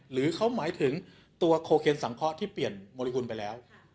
หรือเขาหมายถึงตัวโคเคนสังเคราะห์ที่เปลี่ยนมริคุณไปแล้ว